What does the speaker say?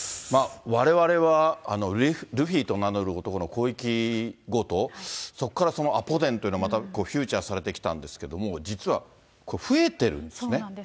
われわれは、ルフィと名乗る男の広域強盗、そこからアポ電というのがまたフューチャーされてきたんですけど、そうなんです。